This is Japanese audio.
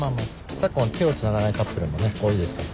昨今は手をつながないカップルも多いですから。